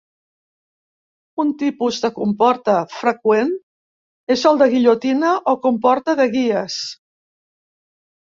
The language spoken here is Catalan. Un tipus de comporta freqüent és el de guillotina o comporta de guies.